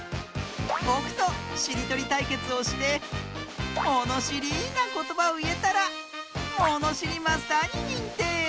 ぼくとしりとりたいけつをしてものしりなことばをいえたらものしりマスターににんてい！